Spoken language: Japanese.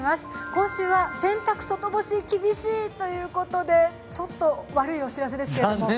今週は洗濯外干し、厳しいということでちょっと悪いお知らせです。